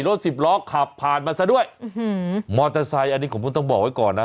รถสิบล้อขับผ่านมาซะด้วยมอเตอร์ไซค์อันนี้ผมต้องบอกไว้ก่อนนะ